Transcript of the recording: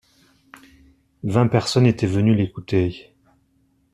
Vingt personnes étaient venues l’écouter.